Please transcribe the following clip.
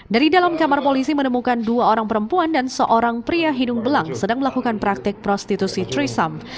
dari dalam kamar polisi menemukan dua orang perempuan dan seorang pria hidung belang sedang melakukan praktik prostitusi trisam